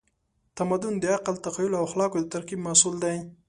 تمدن د عقل، تخیل او اخلاقو د ترکیب محصول دی.